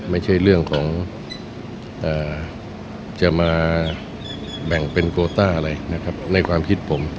ไม่ใช่เรื่องของจะมาแบ่งเป็นโคต้าอะไรนะครับในความคิดผม